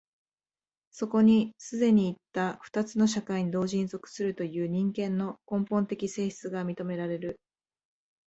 そこに既にいった二つの社会に同時に属するという人間の根本的性質が認められる。